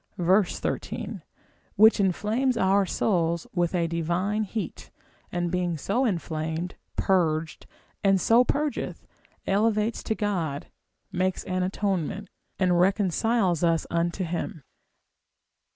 13, which inflames our souls with a divine heat, and being so inflamed, purged, and so purgeth, elevates to God, makes an atonement, and reconciles us unto him.